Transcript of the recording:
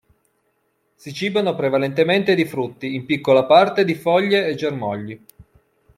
Si cibano prevalentemente di frutti, in piccola parte di foglie e germogli.